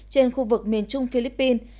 trên khu vực miền trung philippines